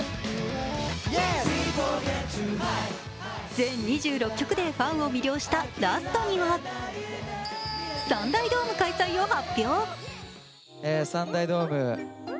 全２６曲でファンを魅了したラストには３大ドーム開催を発表。